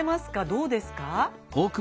どうですか？